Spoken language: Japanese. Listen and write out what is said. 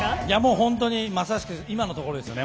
本当にまさしく、今のところですよね。